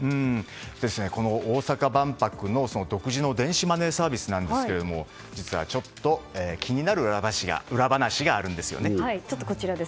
大阪万博の独自の電子マネーサービスですが実はちょっと気になる裏話があるんですよね。